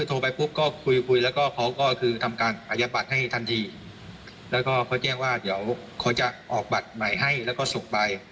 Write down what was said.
ตอนนี้ผมได้ยอดคืนแล้วครับได้มาเมื่อวันที่๑๒ตุลาคม